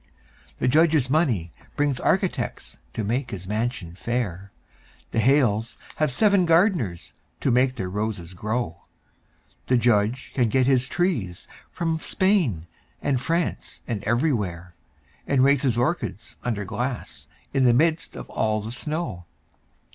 The Judge's money brings architects to make his mansion fair; The Hales have seven gardeners to make their roses grow; The Judge can get his trees from Spain and France and everywhere, And raise his orchids under glass in the midst of all the snow.